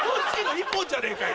１本じゃねえかよ！